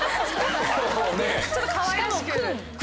ちょっとかわいらしく。